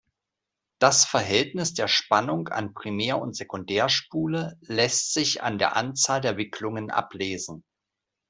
Das Verhältnis der Spannung an Primär- und Sekundärspule lässt sich an der Anzahl der Wicklungen ablesen.